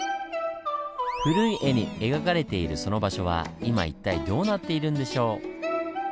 古い絵に描かれているその場所は今一体どうなっているんでしょう。